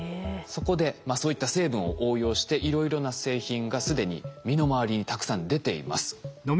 そこでそういった成分を応用していろいろな製品が既に身の回りにたくさん出ています。